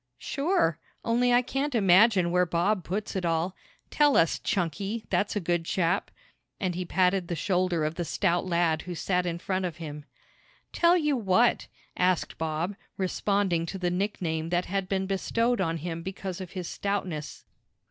"Sure. Only I can't imagine where Bob puts it all. Tell us, Chunky, that's a good chap," and he patted the shoulder of the stout lad who sat in front of him. "Tell you what?" asked Bob, responding to the nickname that had been bestowed on him because of his stoutness.